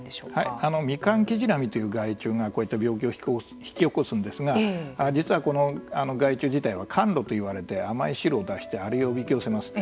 これミカンキジラミという害虫がこういった病気を引き起こすんですが実はこの害虫自体はカンロといわれて甘い汁を出してアリをおびき寄せます。